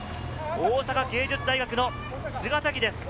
大阪芸術大学の菅崎です。